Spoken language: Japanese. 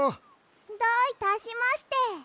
どういたしまして。